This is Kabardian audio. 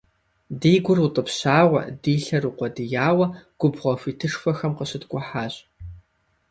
Ди гур утӀыпщауэ, ди лъэр укъуэдияуэ губгъуэ хуитышхуэхэм къыщыткӀухьащ.